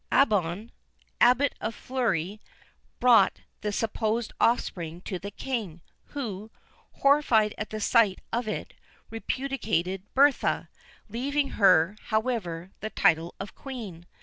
Abbon, Abbot of Fleury, brought the supposed offspring to the King, who, horrified at the sight of it, repudiated Bertha, leaving her, however, the title of Queen.